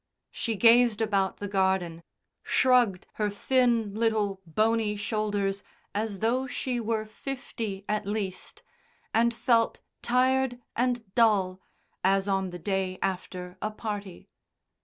She gazed about the garden, shrugged her thin, little, bony shoulders as though she were fifty at least, and felt tired and dull, as on the day after a party.